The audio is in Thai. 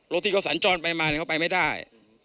รถที่เขาสัญจรไปมาเขาไปไม่ได้